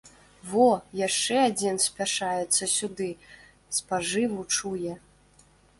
Во, яшчэ адзін спяшаецца сюды, спажыву чуе!